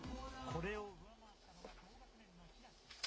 これを上回ったのが、同学年の開。